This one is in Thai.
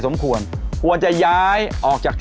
สวัสดีครับ